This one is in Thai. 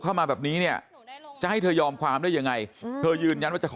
เข้ามาแบบนี้เนี่ยจะให้เธอยอมความได้ยังไงเธอยืนยันว่าจะขอ